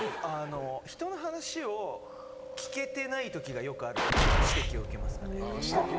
人の話を聞けてない時がよくあるという指摘を受けますかね。